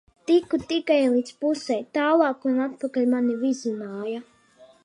Tiku tikai līdz pusei, tālāk un atpakaļ mani vizināja.